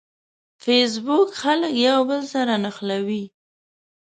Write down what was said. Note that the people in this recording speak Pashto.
فېسبوک خلک یو بل سره نښلوي